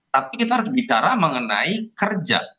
tapi kita harus bicara mengenai kerja